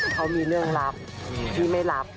เขามีเรื่องลับที่ไม่รับ